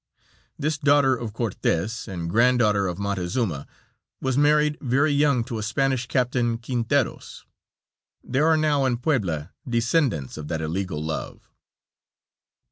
This daughter of Cortez', and granddaughter of Montezuma, was married very young to a Spanish captain, Quinteros. There are now in Puebla descendants of that illegal love.